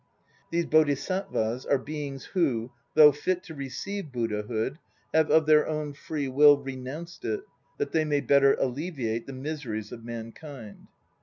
These Bodhisattvas are be ings who, though fit to receive Buddhahood, have of their own free will renounced it, that they may better alleviate the miseries of mankind.